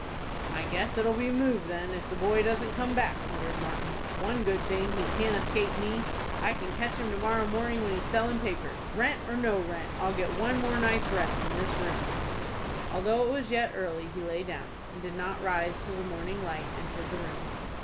"I guess it'll be move then, if the boy doesn't come back," muttered Martin. "One good thing, he can't escape me. I can catch him to morrow morning when he's selling papers. Rent or no rent, I'll get one more night's rest in this room." Although it was yet early he lay down, and did not rise till the morning light entered the room.